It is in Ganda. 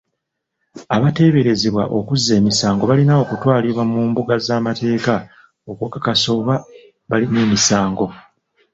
Abateeberezebwa okuzza emisango balina okutwalibwa mu mbuga z'amateeka okukakasa oba balina emisango.